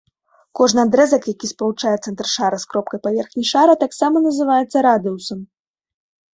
Кожны адрэзак, які спалучае цэнтр шара з кропкай паверхні шара, таксама называецца радыусам.